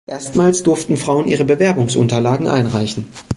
Erstmals durften Frauen ihre Bewerbungsunterlagen einreichen.